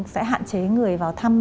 sẽ hạn chế người vào thăm